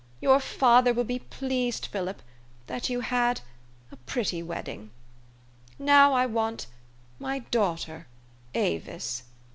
Your father will be pleased, Philip that you had a pretty wedding. Now I want my daughter, Avis.